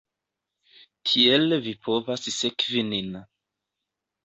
Tiel vi povas sekvi nin